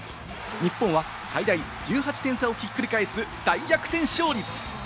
日本は最大１８点差をひっくり返す、大逆転勝利！